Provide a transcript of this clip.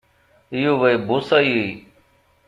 Yuba ibuṣa-yi.